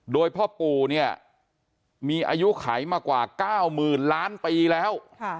โดยพ่อปู่เนี่ยมีอายุไขมากว่า๙๐๐๐ล้านปีแล้ว